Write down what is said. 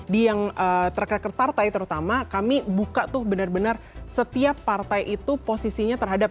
di yang track record partai terutama kami buka tuh benar benar setiap partai itu posisinya terhadap